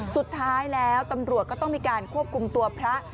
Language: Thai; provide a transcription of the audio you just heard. สุดท้ายแล้วตำรวจก็ต้องมีการควบคุมตัวพระ